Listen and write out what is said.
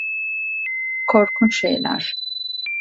Korkunç şeyler.